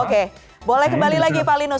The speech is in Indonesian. oke boleh kembali lagi pak linus